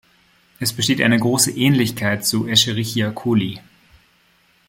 Es besteht eine große Ähnlichkeit zu "Escherichia coli".